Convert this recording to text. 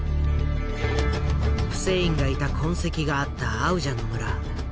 フセインがいた痕跡があったアウジャの村。